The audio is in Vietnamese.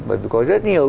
bởi vì có rất nhiều